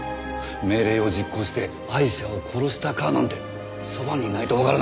命令を実行してアイシャを殺したかなんてそばにいないとわからない。